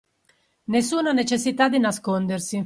Nessuna necessità di nascondersi.